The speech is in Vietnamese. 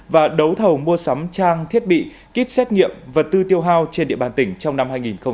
và đấu thầu mua sắm trang thiết bị kit xét nghiệm vật tư tiêu hao trên địa bàn tỉnh trong năm hai nghìn hai mươi